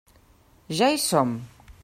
Ja hi som!